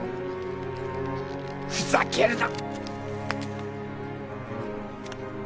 ふざけるな！